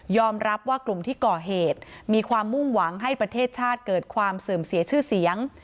รับว่ากลุ่มที่ก่อเหตุมีความมุ่งหวังให้ประเทศชาติเกิดความเสื่อมเสียชื่อเสียง